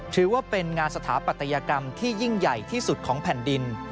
ถือว่าเป็นงานสถาปัตยกรรมที่ยิ่งใหญ่ที่สุดของแผ่นดิน